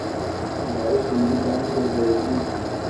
بارش جلدی بند ہو جائے گی۔